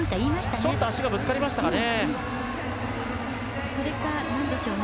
ちょっと足がぶつかりましたかね。